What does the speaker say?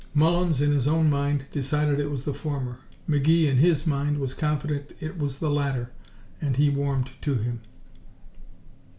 Mullins, in his own mind, decided it was the former; McGee, in his mind, was confident that it was the latter, and he warmed to him.